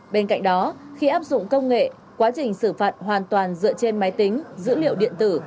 bên cạnh đó khi áp dụng công nghệ quá trình xử phạt hoàn toàn dựa trên máy tính dữ liệu điện tử